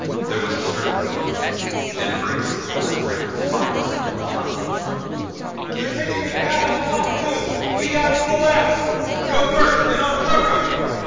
There was a stirring below and Brion poured a rain of fire into the tunnel. "They're catching it bad on top, too! We gotta pull out. Go first and I'll cover you."